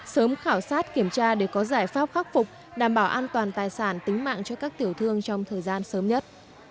sớm khảo sát kiểm tra để có giải pháp khắc phục đảm bảo an toàn tài sản tính mạng cho các tiểu thương trong thời gian sớm nhất